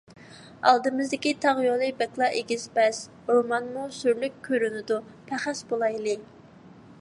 ئالدىمىزدىكى تاغ يولى بەكلا ئېگىز - پەس، ئورمانمۇ سۈرلۈك كۆرۈنىدۇ. پەخەس بولايلى.